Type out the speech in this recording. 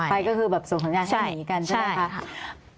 ไปก็คือแบบส่งขนาดให้หนีกันใช่ไหมคะค่ะใช่